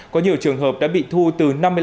có nhiều trường hợp đã bị thu từ năm mươi